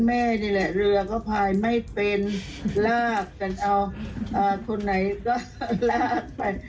แม่นี่แหละเรือก็พายไม่เป็นลากกันเอาคนไหนก็ลากไป